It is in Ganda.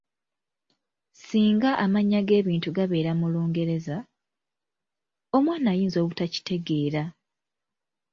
"Singa amannya g'ebintu gabeera mu Lungereza, omwana ayinza obutakitegeera."